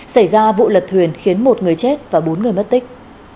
xảy ra vụ lật thuyền khiến một người chết và bốn người mất tích